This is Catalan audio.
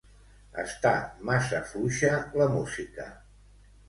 Està massa fluixa la música.